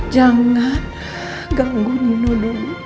jangan ganggu nino dulu